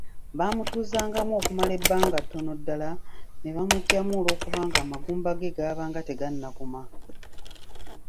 Baamutuuzangamu okumala ebbanga ttono ddala ne bamuggyamu olw’okubanga amagumba ge gaabanga tegannaguma.